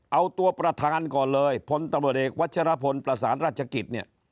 เอาตัวประธานก่อนเลยพตววประสานราชกิจ